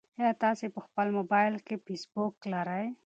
ایا تاسي په خپل موبایل کې فېسبوک لرئ؟